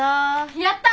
やった！